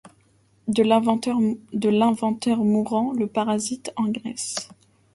De l’inventeur mourant le parasite engraisse.